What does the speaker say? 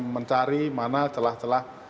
mencari mana celah celah